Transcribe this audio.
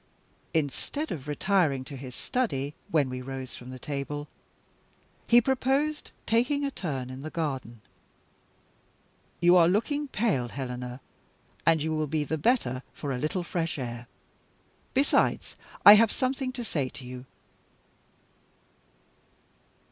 Instead of retiring to his study when we rose from the table, he proposed taking a turn in the garden: "You are looking pale, Helena, and you will be the better for a little fresh air. Besides, I have something to say to you."